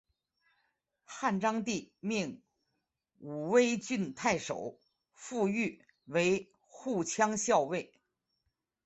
汉章帝命武威郡太守傅育为护羌校尉。